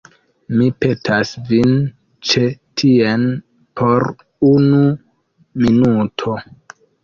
Mi petas vin ĉi tien por unu minuto.